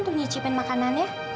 untuk nyicipin makanannya